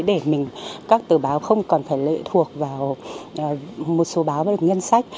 để mình các tờ báo không còn phải lệ thuộc vào một số báo về ngân sách